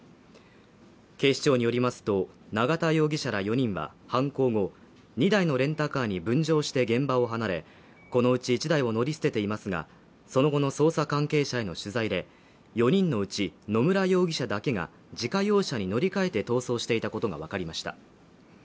警視庁によりますと、永田容疑者ら４人は、犯行後に大のレンタカーに分乗して現場を離れ、このうち１台を乗り捨てていますがその後の捜査関係者への取材で、４人のうち野村容疑者だけが自家用車に乗り換えて逃走していたことがわかりました。